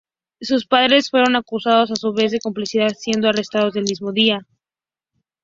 Sus padres fueron acusados a su vez de complicidad, siendo arrestados el mismo día.